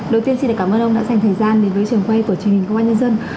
đầu tiên xin cảm ơn ông đã dành thời gian đến với trường quay của truyền hình công an nhân dân